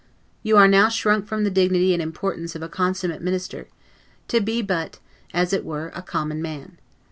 You are now shrunk from the dignity and importance of a consummate minister, to be but, as it were, a common man.